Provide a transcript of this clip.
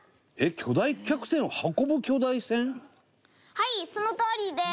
はいそのとおりです。